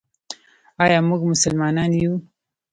آیا موږ مسلمانان یو؟